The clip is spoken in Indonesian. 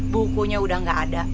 bukunya udah gak ada